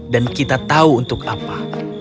dan kita tahu untuk apa